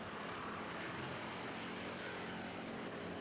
pertanyaan dari bapak bapak